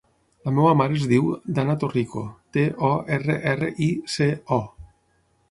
La meva mare es diu Dana Torrico: te, o, erra, erra, i, ce, o.